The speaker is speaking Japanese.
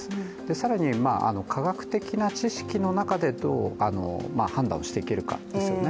更に科学的な知識の中でどう判断をしていけるかですよね。